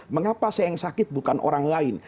mengapa saya yang sakit bukan orang lain